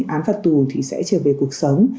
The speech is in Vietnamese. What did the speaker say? án phạt tù thì sẽ trở về cuộc sống